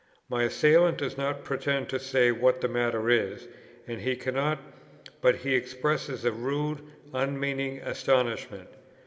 My assailant does not pretend to say what the matter is, and he cannot; but he expresses a rude, unmeaning astonishment.